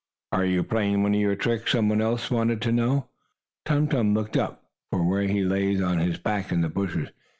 "Are you playing one of your tricks?" some one else wanted to know. Tum Tum looked up from where he lay on his back in the bushes.